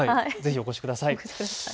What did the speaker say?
ぜひお越しください。